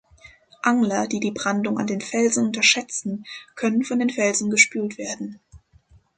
Angler, die die Brandung an den Felsen unterschätzen, können von den Felsen gespült werden.